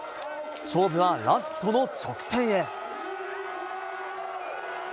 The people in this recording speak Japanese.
勝負はラストの直線へ。